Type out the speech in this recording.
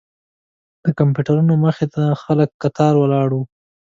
د کمپیوټرونو مخې ته خلک کتار ولاړ وو.